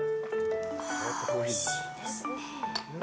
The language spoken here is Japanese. あ、おいしいですねえ。